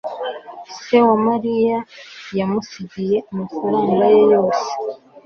Se wa Mariya yamusigiye amafaranga ye yose